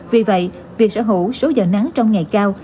vì vậy việc sở hữu số giờ nắng trong ngày cao